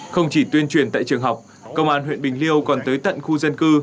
không chỉ tuyên truyền tại trường học công an huyện bình liêu còn tới tận khu dân cư